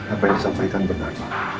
apa yang disampaikan benar